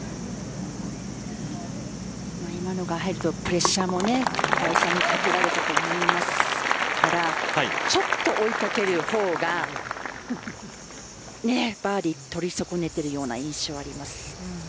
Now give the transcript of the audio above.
今のが入るとプレッシャーもかけられたと思いますからちょっと追いかける方がバーディーとり損ねているような印象があります。